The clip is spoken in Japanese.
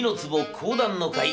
講談の回。